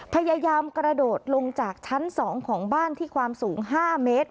พยายามกระโดดลงจากชั้น๒ของบ้านที่ความสูง๕เมตร